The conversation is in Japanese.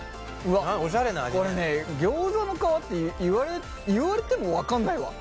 これねギョーザの皮って言われても分かんないわ。